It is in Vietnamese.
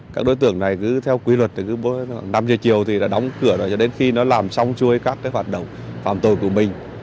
các đối tượng này cứ theo quy luật năm giờ chiều thì đóng cửa cho đến khi nó làm xong chui các phạt đồng phạm tội của mình